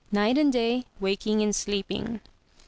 "Night and day, waking and sleeping."